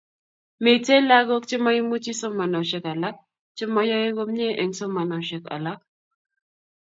Mitei lagok chemaimuchi somanosiek alak, chemoyoei komie eng somanosiek alak